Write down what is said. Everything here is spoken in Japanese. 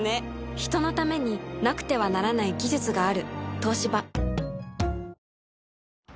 人のためになくてはならない技術がある。